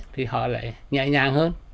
thì họ lại nhẹ nhàng hơn